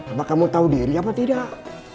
apa kamu tau diri apa tidak